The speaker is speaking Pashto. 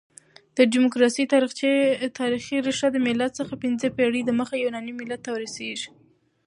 د ډیموکراسۍ تاریخي ریښه د مېلاد څخه پنځه پېړۍ دمخه يوناني ملت ته رسیږي.